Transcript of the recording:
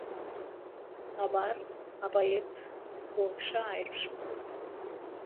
Абар апоет урҭ шааирԥшуа…